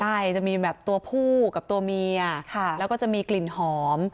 ใช่จะมีแบบตัวผู้กับตัวเมียแล้วก็จะมีกลิ่นหอม